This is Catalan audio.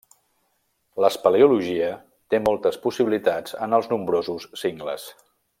L'espeleologia té moltes possibilitats en els nombrosos cingles.